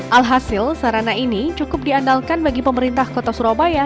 alhasil sarana ini cukup diandalkan bagi pemerintah kota surabaya